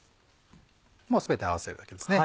もう全て合わせるだけですね。